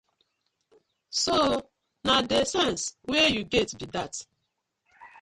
So na dey sence wey yu get bi dat.